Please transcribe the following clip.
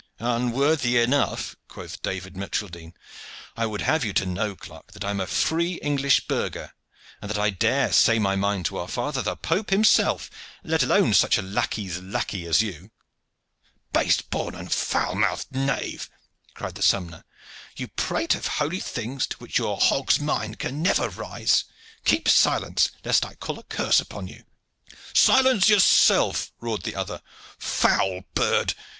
"Unworthy enough!" quoth David Micheldene. "I would have you to know, clerk, that I am a free English burgher, and that I dare say my mind to our father the Pope himself, let alone such a lacquey's lacquey as you!" "Base born and foul mouthed knave!" cried the sompnour. "You prate of holy things, to which your hog's mind can never rise. Keep silence, lest I call a curse upon you!" "Silence yourself!" roared the other. "Foul bird!